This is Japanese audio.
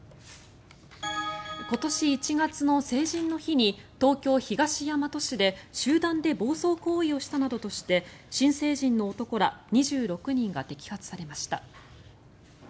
今年１月の成人の日に東京・東大和市で集団で暴走行為をしたなどとして新成人の男ら２６人が摘発されました。